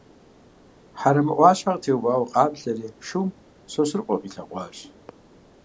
Хьэрэмэ ӏуащхьэ къытеувауэ къаплъэри, шум Сосрыкъуэ къилъэгъуащ.